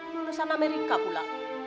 lulusan amerika pula